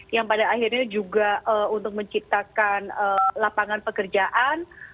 yang pada akhirnya juga untuk menciptakan lapangan pekerjaan